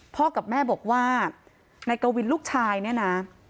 กับแม่บอกว่านายกวินลูกชายเนี่ยนะ